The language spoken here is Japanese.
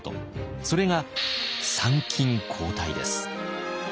それが参勤交代です。